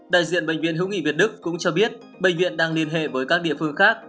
đại diện bệnh viện hữu nghị việt đức cũng cho biết bệnh viện đang liên hệ với các địa phương khác